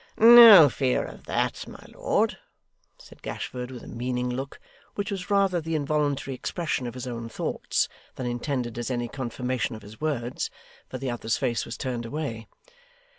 'No fear of that, my lord,' said Gashford, with a meaning look, which was rather the involuntary expression of his own thoughts than intended as any confirmation of his words, for the other's face was turned away.